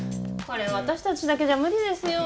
これ私たちだけじゃ無理ですよ。